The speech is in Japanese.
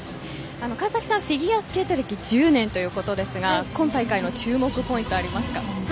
川崎さん、フィギュアスケート歴１０年ということですが今大会の注目ポイントはありますか？